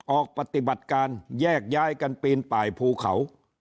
ออกปฏิบัติการแยกย้ายกันปีนป่ายภูเขา